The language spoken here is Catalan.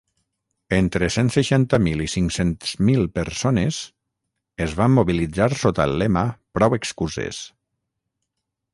Entre cent seixanta mil i cinc-cents mil persones es van mobilitzar sota el lema Prou excuses.